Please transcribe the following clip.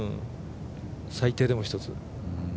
最低でも１つ。